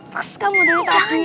pas kamu dengerin takdirnya